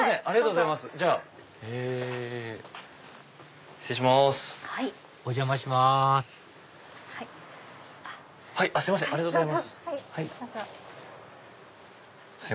ありがとうございます。